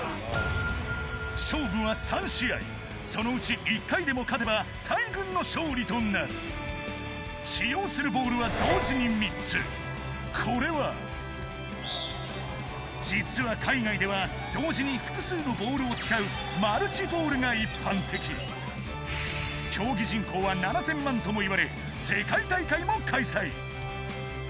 勝負は３試合そのうち１回でも勝てば大群の勝利となる使用するボールは同時に３つこれは実は海外では同時に複数のボールを使うマルチボールが一般的競技人口は７０００万ともいわれ世界大会も開催